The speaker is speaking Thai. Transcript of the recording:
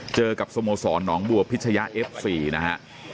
เจอกับสมสรรค์หนองบัวพิชยฟรีนะฮะ